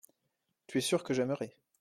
Tu es sûr que j’aimerai.